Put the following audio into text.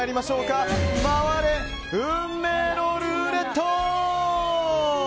回れ、運命のルーレット！